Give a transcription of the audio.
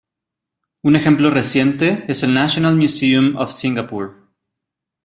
Un ejemplo reciente es el National Museum of Singapore.